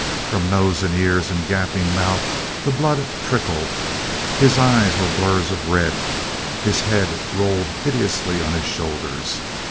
From nose and ears and gaping mouth the blood trickled; his eyes were blurs of red; his head rolled hideously on his shoulders.